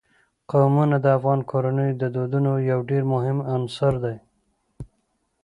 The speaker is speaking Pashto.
قومونه د افغان کورنیو د دودونو یو ډېر مهم عنصر دی.